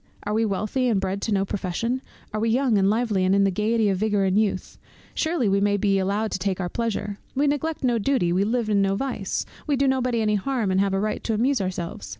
Are we wealthy, and bred to no profession? Are we young and lively, and in the gaiety and vigour of youth? Surely we may be allowed to take our pleasure. We neglect no duty, we live in no vice, we do nobody any harm, and have a right to amuse ourselves.